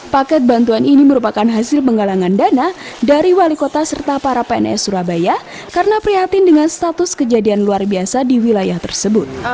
paket bantuan ini merupakan hasil penggalangan dana dari wali kota serta para pns surabaya karena prihatin dengan status kejadian luar biasa di wilayah tersebut